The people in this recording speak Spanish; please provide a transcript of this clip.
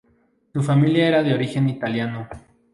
Su familia era de origen italiano.